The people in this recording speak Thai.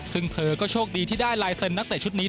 ซึ่งเธอก็โชคดีที่ได้ลายเซ็นนักเตะชุดนี้